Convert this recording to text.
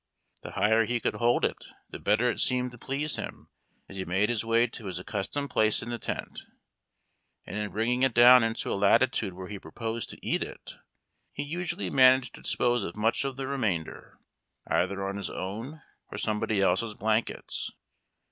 The higher he could hold it the better it seemed to please him as he made his wa}^ to his accustomed place in the tent, and in bringing it down into a latitude where he proposed to eat it THE JONAH Sl'ILLING PEA SOUP. he usually managed to dispose of much of the remainder, either on his own or somebody else's blankets.